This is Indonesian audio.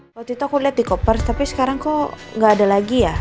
kalo tito aku liat di koper tapi sekarang kok gak ada lagi ya